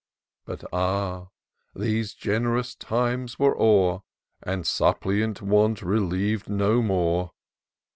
But, ah ! those gen'rous times were o'er. And suppliant Want reliev'd no more.